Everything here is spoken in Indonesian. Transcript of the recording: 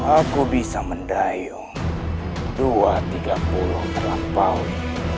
aku bisa mendayung dua tiga puluh terlampau